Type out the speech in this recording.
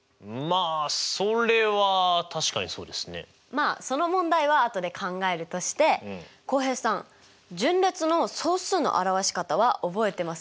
まあその問題は後で考えるとして浩平さん順列の総数の表し方は覚えてますよね？